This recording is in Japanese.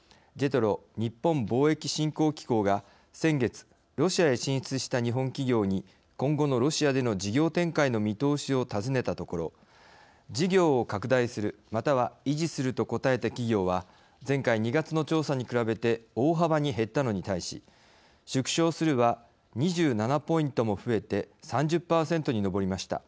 ＪＥＴＲＯ＝日本貿易振興機構が先月ロシアへ進出した日本企業に今後のロシアでの事業展開の見通しをたずねたところ事業を拡大するまたは維持すると答えた企業は前回２月の調査に比べて大幅に減ったのに対し縮小するは２７ポイントも増えて３０％に上りました。